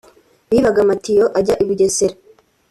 bibaga amatiyo ajya i Bugesera